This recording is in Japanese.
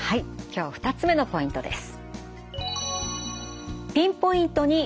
今日２つ目のポイントです。